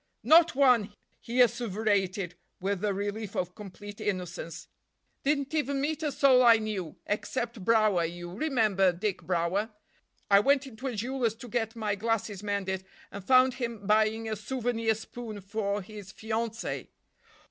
"Not one," he asseverated with the relief of complete innocence. "Didn't even meet a soul I knew, except Brower—you remember Dick Brower? I went into a jeweler's to get my glasses mended and found him buying a souvenir spoon for his fiancée."